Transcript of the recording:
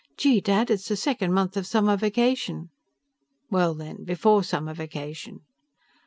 "Gee, Dad, it's the second month of summer vacation." "Well, then, before summer vacation?"